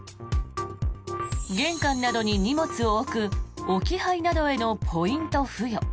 玄関などに荷物を置く置き配などへのポイント付与。